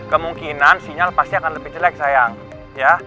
kemungkinan sinyal pasti akan lebih jelek sayang ya